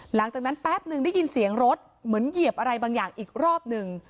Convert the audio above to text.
แป๊บนึงได้ยินเสียงรถเหมือนเหยียบอะไรบางอย่างอีกรอบหนึ่ง